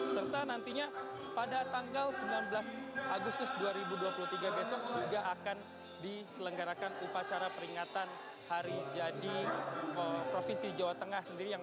serta nantinya pada tanggal sembilan belas agustus dua ribu dua puluh tiga besok juga akan diselenggarakan upacara peringatan hari jadi provinsi jawa tengah sendiri